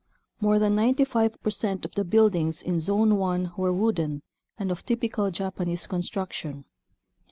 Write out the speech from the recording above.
More than 95 percent of the buildings in Zone 1 were wooden and of typical Japanese construction.